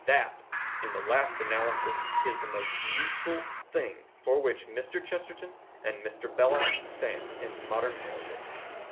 That, in the last analysis, is the useful thing for which Mr. Chesterton and Mr. Belloc stand in modern politics.